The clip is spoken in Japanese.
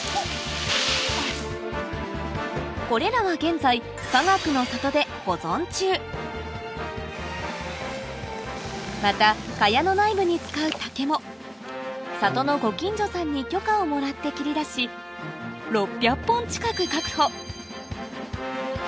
これらは現在また茅の内部に使う竹も里のご近所さんに許可をもらって切り出し６００本近く確保